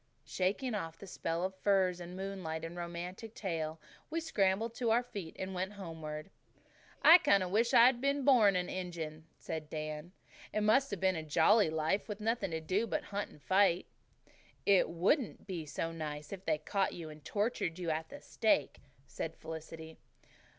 Shaking off the spell of firs and moonlight and romantic tale, we scrambled to our feet and went homeward. "I kind of wish I'd been born an Injun," said Dan. "It must have been a jolly life nothing to do but hunt and fight." "It wouldn't be so nice if they caught you and tortured you at the stake," said Felicity.